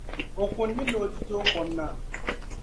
O kunimi ni o ti tooi kom na.